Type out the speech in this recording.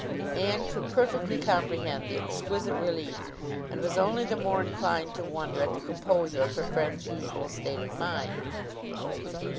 Anne could perfectly comprehend the exquisite relief, and was only the more inclined to wonder at the composure of her friend's usual state of mind.